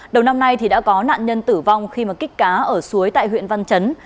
đầu năm nay thì đã có nạn nhân tử vong khi mà kích cá ở suối tại huyện văn chấn